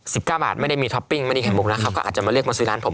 สิบเก้าบาทไม่ได้มีท็อปปิ้งไม่ได้ไข่มุกนะครับก็อาจจะมาเรียกมาซื้อร้านผม